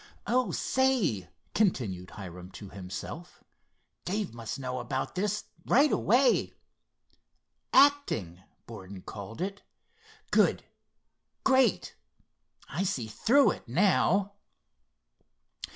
"Oh, say," continued Hiram to himself, "Dave must know about this right away. 'Acting,' Borden called it. Good! Great! I see through it now!"